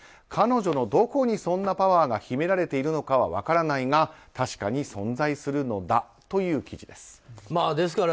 彼女のどこにそんなパワーが秘められているのかは分からないが、確かに存在するのだという記事です。